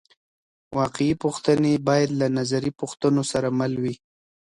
واقعي پوښتنې باید له نظري پوښتنو سره مل وي.